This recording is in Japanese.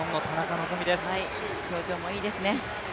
表情もいいですね。